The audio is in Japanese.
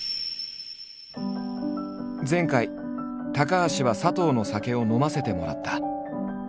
前回高橋は佐藤の酒を飲ませてもらった。